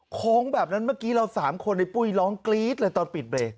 โค้งแบบนั้นเมื่อกี้เรา๓คนไอ้ปุ้ยร้องกรี๊ดเลยตอนปิดเบรก